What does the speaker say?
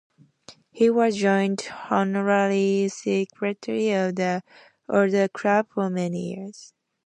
He was joint honorary secretary of the Other Club for many years.